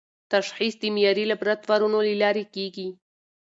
تشخیص د معیاري لابراتوارونو له لارې کېږي.